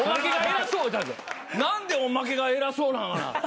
何でおまけが偉そうなの。